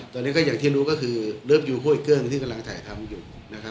ตอนนี้ก็อย่างที่รู้ก็คือเลิฟยูห้วยเกิ้งที่กำลังถ่ายทำอยู่